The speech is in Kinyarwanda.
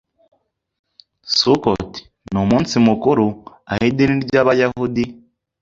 Sukkot ni umunsi mukuru aho idini y'Abayahudi